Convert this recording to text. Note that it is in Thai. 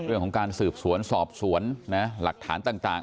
เรื่องของการสืบสวนสอบสวนหลักฐานต่าง